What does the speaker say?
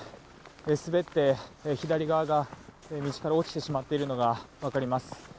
滑って左側が道から落ちてしまっているのが分かります。